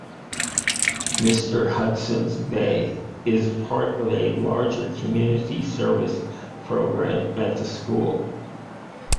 Mr. Hudson's Bay is part of a larger community service program at the school.